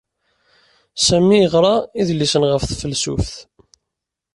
Sami yeɣra idlisen ɣef tfelsuft.